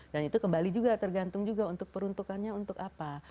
dan itu kembali juga tergantung juga untuk peruntukannya untuk apa